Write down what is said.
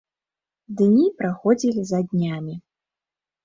Дні праходзілі за днямі.